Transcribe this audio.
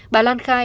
bà lan khai